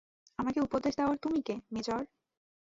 আমাকে উপদেশ দেওয়ার তুমি কে, মেজর?